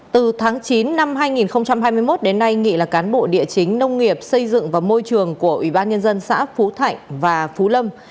từ tháng chín năm hai nghìn hai mươi một đến nay nghị là cán bộ địa chính nông nghiệp xây dựng và môi trường của ủy ban nhân dân xã phú thạnh và phú lâm